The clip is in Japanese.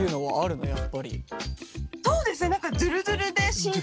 そうですね。